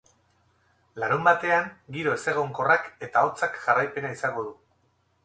Larunbatean giro ezegonkorrak eta hotzak jarraipena izango du.